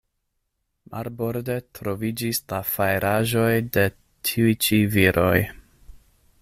Marborde, troviĝis la faraĵoj de tiuj-ĉi viroj.